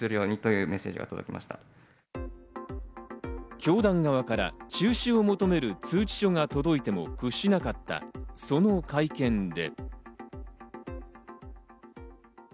教団側から中止を求める通知書が届いても屈しなかったその会見で。